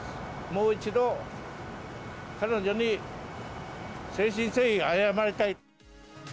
もう一度、彼女に誠心誠意謝りたい。